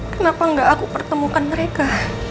kenapa enggak aku pertemukan mereka